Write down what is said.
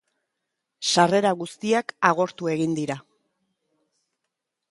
Sarrera guztiak agortu egin dira.